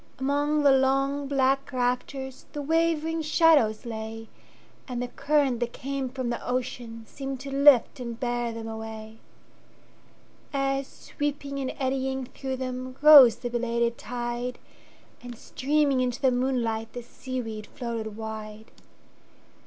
Among the long, black raftersThe wavering shadows lay, And the current that came from the oceanSeemed to lift and bear them away; As, sweeping and eddying through them, Rose the belated tide, And, streaming into the moonlight, The seaweed floated wide.